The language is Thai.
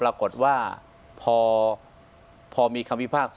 อันดับที่สุดท้าย